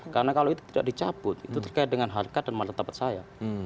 karena kalau itu tidak dicabut itu terkait dengan harga dan mata tempat saya